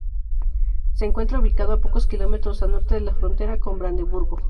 Se encuentra ubicado a pocos kilómetros al norte de la frontera con Brandeburgo.